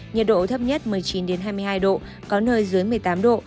nhiệt độ thấp nhất một mươi chín hai mươi hai độ có nơi dưới một mươi tám độ